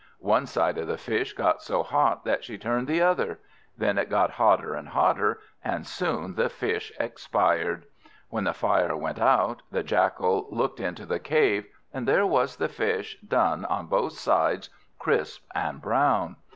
One side of the Fish got so hot that she turned the other. Then it got hotter and hotter, and soon the Fish expired. When the fire went out, the Jackal looked into the cave, and there was the Fish, done on both sides crisp and brown.